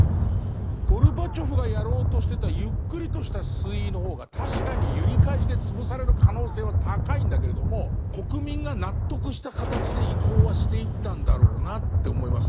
ゴルバチョフがやろうとしてたゆっくりとした推移の方が確かに揺り返しで潰される可能性は高いんだけれども国民が納得した形で移行はしていったんだろうなって思いますね。